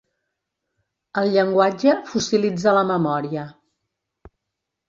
El llenguatge fossilitza la memòria.